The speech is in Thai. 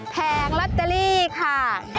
แผงลอตเตอรี่ค่ะ